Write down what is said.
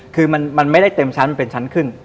คือมันไม่ได้เต็มชั้นเป็นชั้นครึ่ง